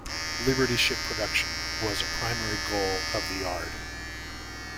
Liberty ship production was a primary goal of the yard.